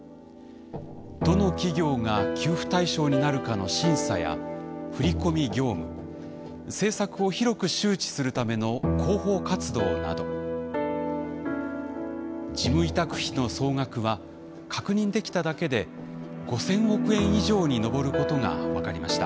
どの企業が給付対象になるかの審査や振り込み業務政策を広く周知するための広報活動など事務委託費の総額は確認できただけで５，０００億円以上に上ることが分かりました。